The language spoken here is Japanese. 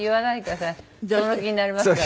その気になりますから。